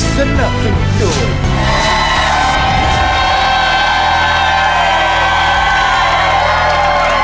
สนับสนุน